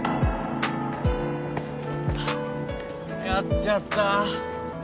やっちゃった